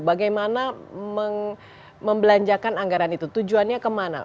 bagaimana membelanjakan anggaran itu tujuannya kemana